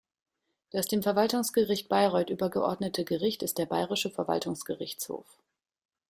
Das dem Verwaltungsgericht Bayreuth übergeordnete Gericht ist der Bayerische Verwaltungsgerichtshof.